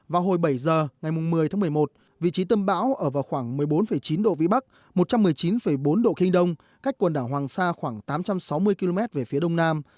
vào hồi bảy giờ ngày một mươi tháng một mươi một vị trí tâm bão ở vào khoảng một mươi bốn chín độ vĩ bắc một trăm một mươi chín bốn độ kinh đông cách quần đảo hoàng sa khoảng tám trăm sáu mươi km về phía đông nam